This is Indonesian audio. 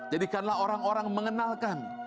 jadikanlah orang orang mengenal kami